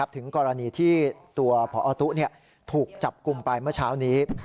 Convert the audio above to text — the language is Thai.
ถึงกรณีที่ตัวพอตุ๊ถูกจับกลุ่มไปเมื่อเช้านี้